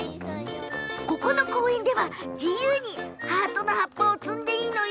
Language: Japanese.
ここの公園では、自由にハートの葉っぱを摘んでいいの。